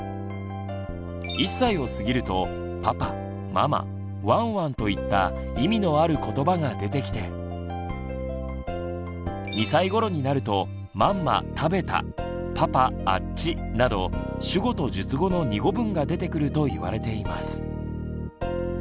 １歳を過ぎると「パパ」「ママ」「ワンワン」といった意味のあることばが出てきて２歳頃になると「マンマたべた」「パパあっち」など主語と述語の二語文が出てくると言われています。